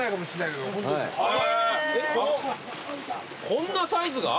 こんなサイズが？